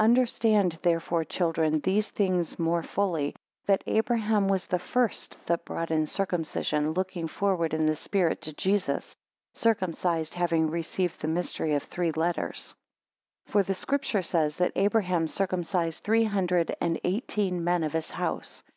10 Understand therefore, children, these things more fully, that Abraham was the first, that brought in circumcision, looking forward in the Spirit, to Jesus; circumcised, having received the mystery of three letters. 11 For the Scripture says that Abraham circumcised three hundred and eighteen men of his house.